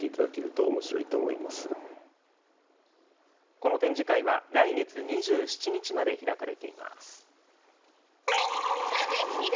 この展示会は来月２７日まで開かれています。